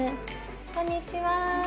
こんにちは。